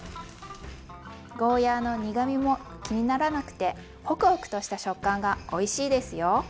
ゴーヤーの苦みも気にならなくてホクホクとした食感がおいしいですよ。